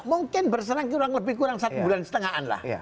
mungkin berserang kurang lebih kurang satu bulan setengahan lah